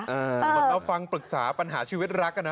เหมือนมาฟังปรึกษาปัญหาชีวิตรักกันนะ